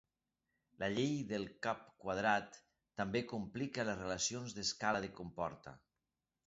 La llei del cub quadrat també complica les relacions d'escala que comporta.